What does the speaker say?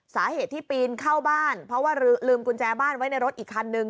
สาเหตุที่ปีนเข้าบ้านเพราะว่าลืมกุญแจบ้านไว้ในรถอีกคันนึง